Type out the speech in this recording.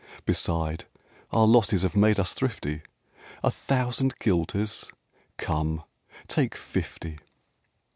Beside, our losses have made us thrifty; A thousand guilders! Come, take fifty!"